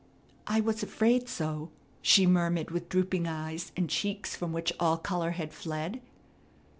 "I was afraid so," she murmured with drooping eyes, and cheeks from which all color had fled.